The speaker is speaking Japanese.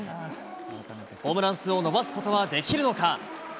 ホームラン数を伸ばすことはできるのか。